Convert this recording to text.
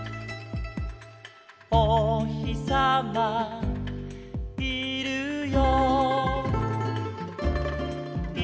「おひさまいるよいるよ」